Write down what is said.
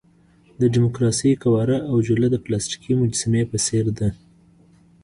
د ډیموکراسۍ قواره او جوله د پلاستیکي مجسمې په څېر ده.